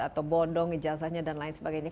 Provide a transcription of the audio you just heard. atau bodoh ngejasanya dan lain sebagainya